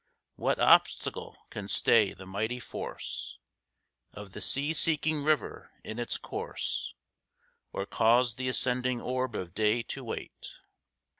What obstacle can stay the mighty force Of the sea seeking river in its course, Or cause the ascending orb of day to wait?